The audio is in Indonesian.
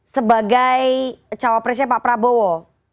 sebagai cawapresnya pak prabowo